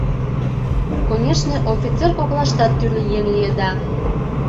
Конешне, офицер коклаштат тӱрлӧ еҥ лиеда...